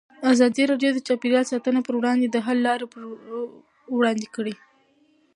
ازادي راډیو د چاپیریال ساتنه پر وړاندې د حل لارې وړاندې کړي.